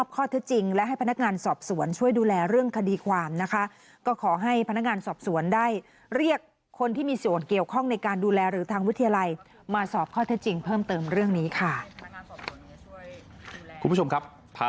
เขาจะได้ไปแบบสบายครับ